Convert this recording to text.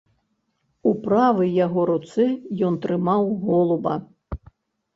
У правай яго руцэ ён трымаў голуба.